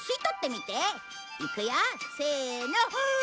いくよせーの！